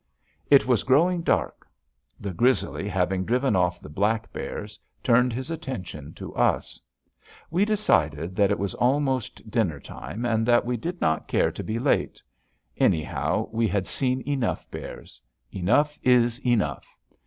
It was growing dark. The grizzly, having driven off the black bears, turned his attention to us. We decided that it was almost dinner time, and that we did not care to be late. Anyhow, we had seen enough bears. Enough is enough.